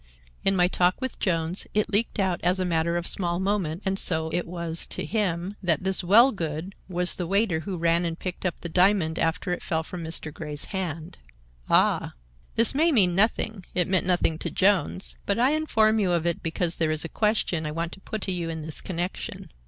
In my talk with Jones it leaked out as a matter of small moment, and so it was to him, that this Wellgood was the waiter who ran and picked up the diamond after it fell from Mr. Grey's hand." "Ah!" "This may mean nothing—it meant nothing to Jones—but I inform you of it because there is a question I want to put to you in this connection.